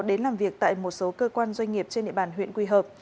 đến làm việc tại một số cơ quan doanh nghiệp trên địa bàn huyện quỳ hợp